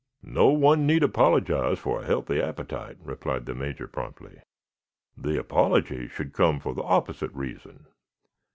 "No one need apologize for a healthy appetite," replied the Major promptly. "The apology, should come for the opposite reason."